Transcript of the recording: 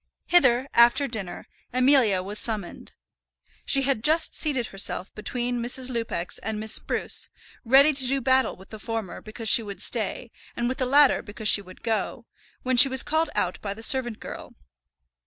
Hither, after dinner, Amelia was summoned. She had just seated herself between Mrs. Lupex and Miss Spruce, ready to do battle with the former because she would stay, and with the latter because she would go, when she was called out by the servant girl.